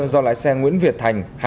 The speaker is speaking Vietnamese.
do lái xe nguyễn việt thành